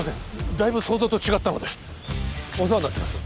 だいぶ想像と違ったのでお世話になってます